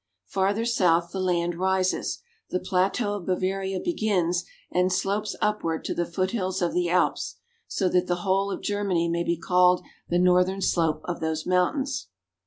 Farther south the land rises ; the plateau of Bavaria begins and slopes upward to the foot hills of the Alps ; so that the whole of Germany may be called the northern slope of those mountains.